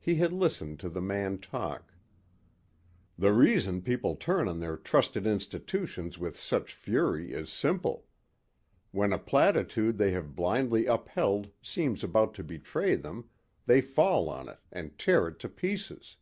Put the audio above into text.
He had listened to the man talk: ... "The reason people turn on their trusted institutions with such fury is simple. When a platitude they have blindly upheld seems about to betray them they fall on it and tear it to pieces.